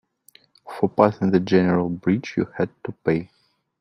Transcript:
For passing the general bridge, you had to pay.